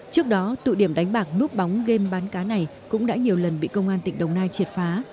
trước đó tụ điểm đánh bạc núp bóng game bán cá này cũng đã nhiều lần bị công an tỉnh đồng nai triệt phá